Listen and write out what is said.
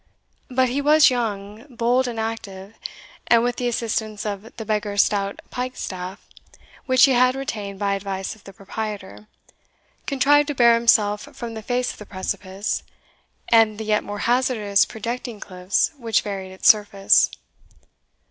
But he was young, bold, and active, and, with the assistance of the beggar's stout piked staff, which he had retained by advice of the proprietor, contrived to bear himself from the face of the precipice, and the yet more hazardous projecting cliffs which varied its surface.